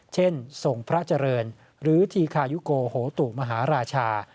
ทรงพระเจริญหรือธีคายุโกโหตุมหาราชา